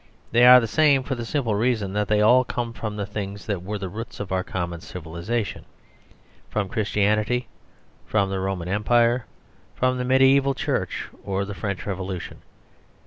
They are the same, for the simple reason that they all come from the things that were the roots of our common civilisation. From Christianity, from the Roman Empire, from the mediaeval Church, or the French Revolution.